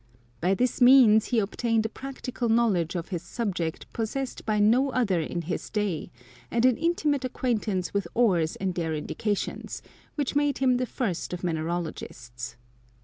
By this means he obtained a practical knowledge of his subject possessed by no other in his day, and an intimate acquaintance with ores and their indications, which made hira the first of mineralogists.